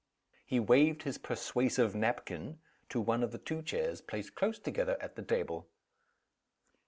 He waved his persuasive napkin to one of the two chairs placed close together at the table.